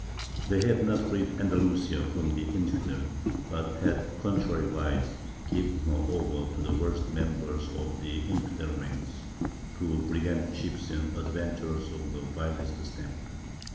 They had not freed Andalusia from the "infidel," but had contrariwise given her over to the worst members of the infidel ranks to brigand chiefs and adventurers of the vilest stamp.